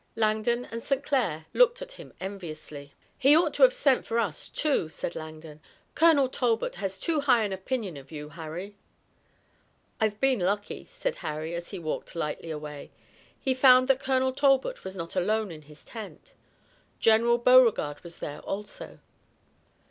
Langdon and St. Clair looked at him enviously. "He ought to have sent for us, too," said Langdon. "Colonel Talbot has too high an opinion of you, Harry." "I've been lucky," said Harry, as he walked lightly away. He found that Colonel Talbot was not alone in his tent. General Beauregard was there also.